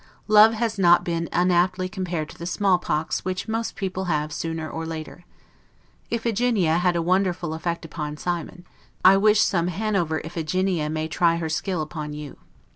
Love has not been unaptly compared to the smallpox which most people have sooner or later. Iphigenia had a wonderful effect upon Cimon; I wish some Hanover Iphigenia may try her skill upon you.